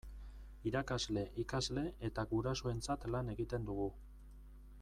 Irakasle, ikasle eta gurasoentzat lan egiten dugu.